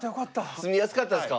住みやすかったですか？